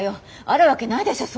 あるわけないでしょ